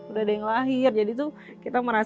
udah ada yang lahir jadi tuh kita merasa